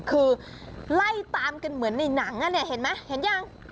คือไล่ตามกันเหมือนในหนังอ่ะเนี่ยเห็นไหมเห็นยัง